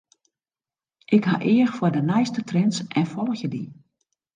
Ik ha each foar de nijste trends en folgje dy.